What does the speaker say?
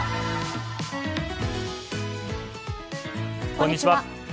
こんにちは。